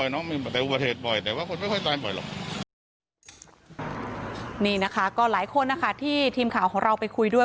นี่นะคะก็หลายคนนะคะที่ทีมข่าวของเราไปคุยด้วย